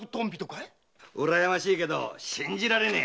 うらやましいが信じられねえ。